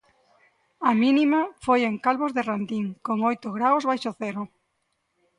A mínima foi en Calvos de Randín con oito graos baixo cero.